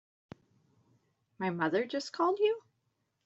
My mother just called you?